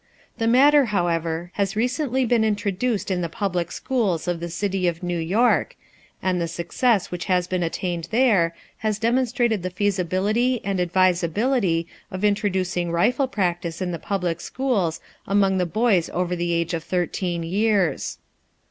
The matter, however, has recently been introduced in the public schools of the city of New York, and the success which has been attained there has demonstrated the feasibility and advisability of introducing rifle practice in the public schools among the boys over the age of 13 years.